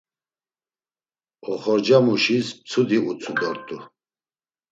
Oxorcamuşis mtsudi utzu dort̆u.